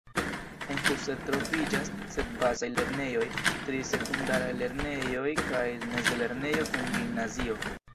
En Uster troviĝas sep bazaj lernejoj, tri sekundaraj lernejoj kaj mezlernejo kun gimnazio.